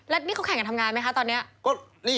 แล้วนี่เขาแข่งกันทำงานไหมคะตอนนี้